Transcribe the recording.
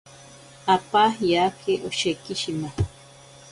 Apa yake osheki shima.